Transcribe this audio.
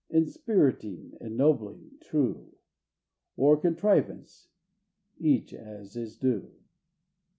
"Inspiriting!" "ennobling!" "true!" Or contrariwise each as is due.